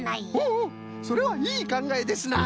おおそれはいいかんがえですな！